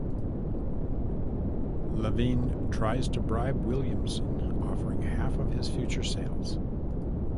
Levene tries to bribe Williamson, offering half of his future sales.